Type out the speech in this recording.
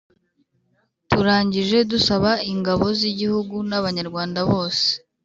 turangije dusaba ingabo z'igihugu n'abanyarwanda bose